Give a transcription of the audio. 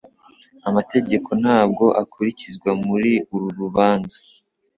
Amategeko ntabwo akurikizwa muri uru rubanza